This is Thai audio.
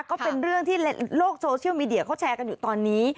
ก็เป็นเรื่องที่โลกโซเชียลมีเดียเขาแชร์กันอยู่ตอนนี้